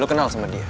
loh lo kenal sama dia